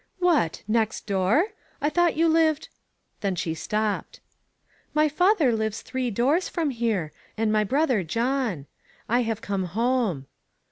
"What! Next door? I thought you lived " Then she stopped. " My father lives three doors from here, and my brother John. I have come home."